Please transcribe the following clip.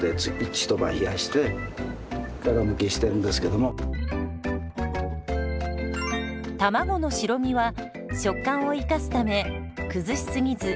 卵の白身は食感を生かすため崩しすぎず形をほどよく残しています。